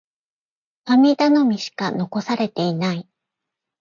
神頼みしか残されていない。